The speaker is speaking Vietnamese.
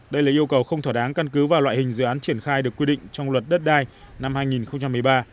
đây là yêu cầu không thỏa đáng căn cứ và loại hình dự án triển khai được quy định trong luật đất đai năm hai nghìn một mươi ba